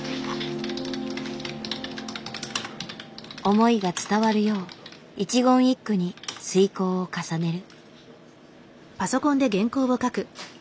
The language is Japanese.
思いが伝わるよう一言一句に推こうを重ねる。